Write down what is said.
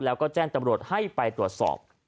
แล้วก็แจ้งตำรวจให้ไปตรวจสอบ